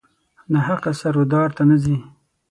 ناحقه سر و دار ته نه ځي.